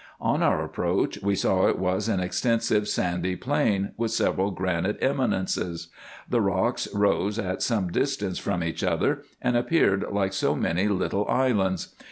On our approach we saw it was an extensive sandy plain, with several granite eminences. The rocks rose at some dis tance from each other, and appeared like so many little islands.